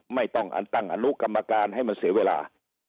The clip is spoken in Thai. ไม่ต้องอันตั้งอนุกรรมการให้มันเสียเวลา